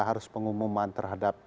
harus pengumuman terhadap